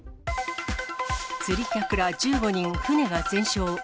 釣り客ら１５人船が全焼。